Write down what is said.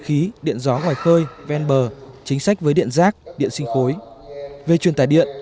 khí điện gió ngoài khơi ven bờ chính sách với điện rác điện sinh khối về truyền tải điện